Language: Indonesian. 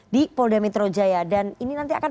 di polda metro jaya dan ini nanti akan